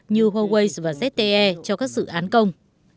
như huawei và zte cho các dự án công